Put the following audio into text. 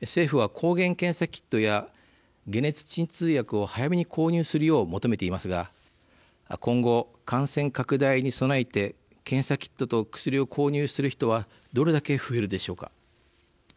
政府は抗原検査キットや解熱鎮痛薬を早めに購入するよう求めていますが今後、感染拡大に備えて検査キットと薬を購入する人はどれだけ増えるでしょうか。